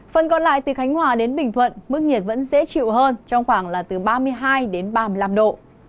phần còn lại từ khánh hòa đến bình thuận mức nhiệt vẫn dễ chịu hơn trong khoảng là từ ba mươi hai đến ba mươi năm độ